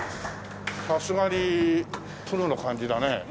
さすがにプロの感じだね。